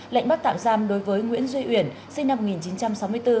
lệnh bắt tạm giam đối với nguyễn duy uyển sinh năm một nghìn chín trăm sáu mươi bốn